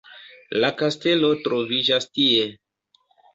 La kastelo troviĝas tie!